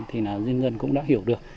thì nhân dân cũng đã hiểu được